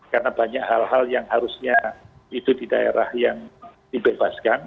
karena banyak hal hal yang harusnya itu di daerah yang dibebaskan